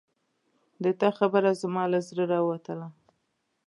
د تا خبره زما له زړه راووتله